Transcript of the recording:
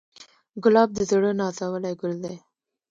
ګلاب د زړه نازولی ګل دی.